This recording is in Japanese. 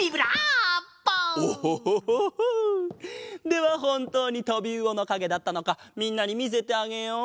ではほんとうにとびうおのかげだったのかみんなにみせてあげよう！